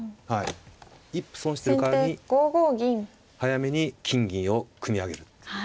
一歩損してる代わりに早めに金銀を組み上げるっていう。